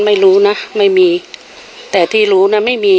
คือพอผู้สื่อข่าวลงพื้นที่แล้วไปถามหลับมาดับเพื่อนบ้านคือคนที่รู้จักกับพอก๊อปเนี่ย